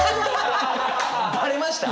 バレました？